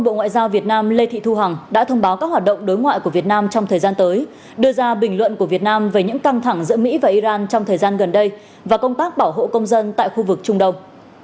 bộ ngoại giao việt nam lê thị thu hằng đã thông báo các hoạt động đối ngoại của việt nam trong thời gian tới đưa ra bình luận của việt nam về những căng thẳng giữa mỹ và iran trong thời gian gần đây và công tác bảo hộ công dân tại khu vực trung đông